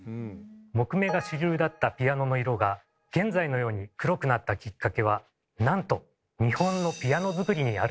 木目が主流だったピアノの色が現在のように黒くなったキッカケはなんと日本のピアノ作りにあるんです。